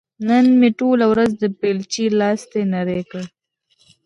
نن مې ټوله ورځ د بېلچې لاستي نري کړ.